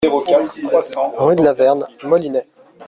Rue de la Verne, Molinet